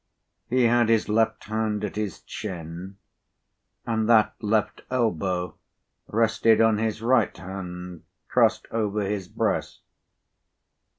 He had his left hand at his chin, and that left elbow rested on his right hand crossed over his breast.